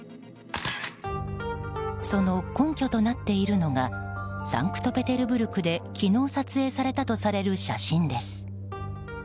その根拠となっているのがサンクトペテルブルクで昨日撮影されたとされる写真です。